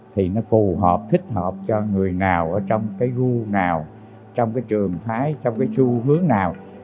thì nó phù hợp thích hợp cho người nào ở trong cái gu nào trong cái trường phái trong cái xu hướng nào